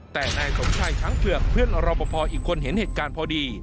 แต่นายสมชายช้างเผือกเพื่อนรอปภอีกคนเห็นเหตุการณ์พอดี